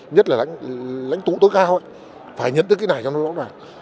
nhất là lãnh tụ tối cao phải nhấn tức cái này cho nó rõ ràng